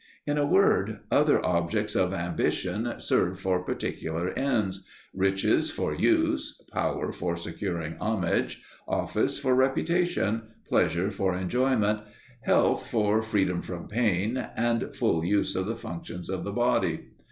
In a word, other objects of ambition serve for particular ends riches for use, power for securing homage, office for reputation, pleasure for enjoyment, health for freedom from pain and the full use of the functions of the body.